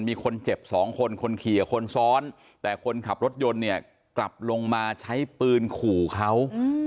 มีคนเจ็บ๒คนคนขี่กับคนซ้อนแต่คนขับรถยนต์เนี่ยกลับลงมาใช้ปืนขู่เขา